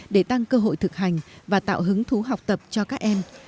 để tăng cơ hội thực hành và tạo hứng thú học tập cho các em